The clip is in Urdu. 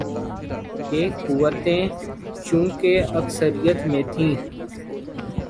یہ قوتیں چونکہ اکثریت میں تھیں۔